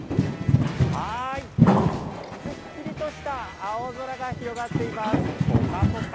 すっきりとした青空が広がっています。